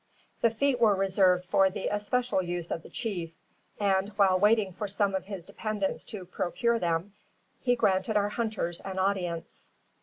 The feet were reserved for the especial use of the chief; and, while waiting for some of his dependents to procure them, he granted our hunters an audience.